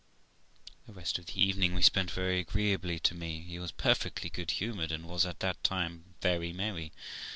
The rest of the evening we spent very agreeably to me ; he was perfectly good humoured, and was at that time very merry.